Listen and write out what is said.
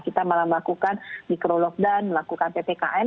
kita malah melakukan micro lockdown melakukan ppkm